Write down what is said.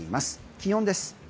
気温です。